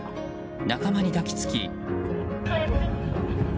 仲間に抱き付き。